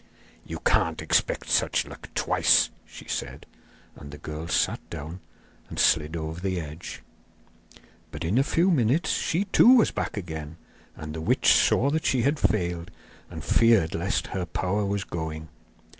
'You can't expect such luck twice,' she said; and the girl sat down and slid over the edge. But in a few minutes she too was back again, and the witch saw that she had failed, and feared lest her power was going.